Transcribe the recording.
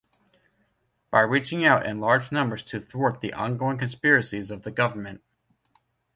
By reaching out in large numbers to thwart the ongoing conspiracies of the government.